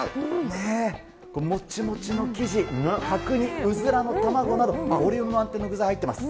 ねー、もちもちの生地、角煮、ウズラの卵など、ボリューム満点の具材入ってます。